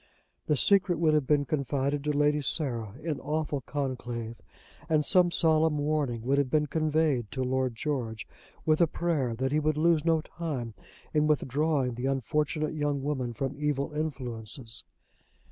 The secret would have been confided to Lady Sarah in awful conclave, and some solemn warning would have been conveyed to Lord George, with a prayer that he would lose no time in withdrawing the unfortunate young woman from evil influences.